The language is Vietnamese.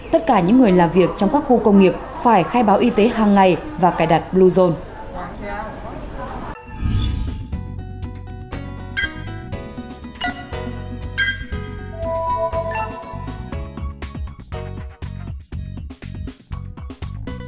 tất cả những người làm việc trong các khu công nghiệp phải khai báo y tế hàng ngày và cài đặt bluezone